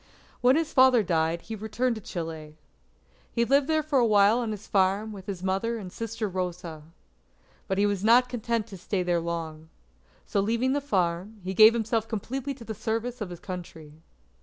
When his father died, he returned to Chile. He lived for a while on his farm with his mother and sister Rosa. But he was not content to stay there long. So leaving the farm, he gave himself completely to the service of his Country.